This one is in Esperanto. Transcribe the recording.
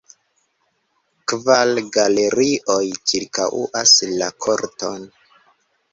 Kvar galerioj ĉirkaŭas la korton.